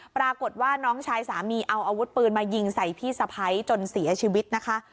ปรากฏว่าน้องชายสามีเอาอาวุธปืนมายิงใส่พี่สะพ้ายจนเสียชีวิตนะคะ